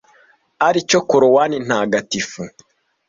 ari cyo Korowani Ntagatifu